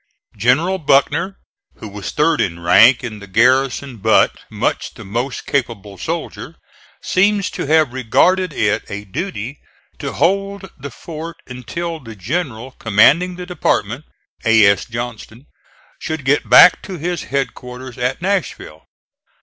General Buckner, who was third in rank in the garrison but much the most capable soldier, seems to have regarded it a duty to hold the fort until the general commanding the department, A. S. Johnston, should get back to his headquarters at Nashville.